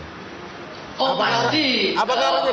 oh pak arti